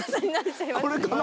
これかな？